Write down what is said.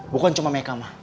bukan cuma meka ma